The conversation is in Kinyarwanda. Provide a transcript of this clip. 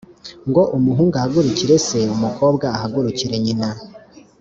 ngo umuhungu ahagurukire se umukobwa ahagurukire nyina